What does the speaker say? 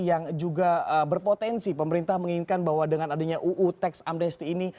yang juga berpotensi pemerintah menginginkan bahwa dengan adanya uu teks amnesti ini